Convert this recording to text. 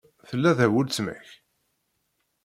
Tella da weltma-k?